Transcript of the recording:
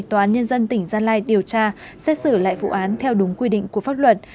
tòa án nhân dân tỉnh gia lai điều tra xét xử lại vụ án theo đúng quy định của pháp luật